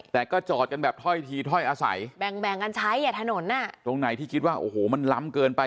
แต่ก็จอดกันแบบถ้อยทีถ้อยอาศัยตรงไหนที่คิดว่ามันล้ำเกินไป